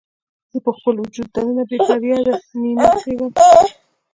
زه په خپل وجود دننه بې فریاده نینې کیږم